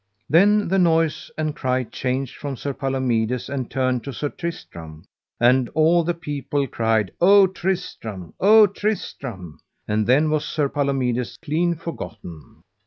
Then the noise and cry changed from Sir Palomides and turned to Sir Tristram, and all the people cried: O Tristram, O Tristram. And then was Sir Palomides clean forgotten.